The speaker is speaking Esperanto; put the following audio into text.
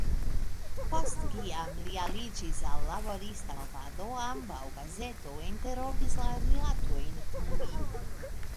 Post kiam li aliĝis al laborista movado, ambaŭ gazeto interrompis la rilatojn kun li.